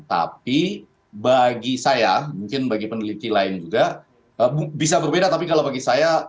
tapi bagi saya mungkin bagi peneliti lain juga bisa berbeda tapi kalau bagi saya